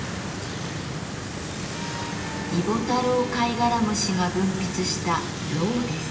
イボタロウカイガラムシが分泌した蝋です。